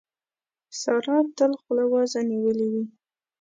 سارا تل خوله وازه نيولې وي.